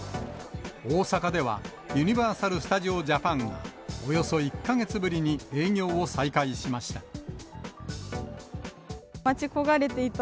大阪ではユニバーサル・スタジオ・ジャパンがおよそ１か月ぶりに営業を再開しました。